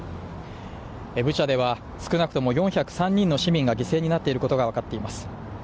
ブチャでは、少なくとも４０３人の市民が犠牲になっていることが分かっています。